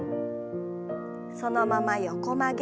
そのまま横曲げ。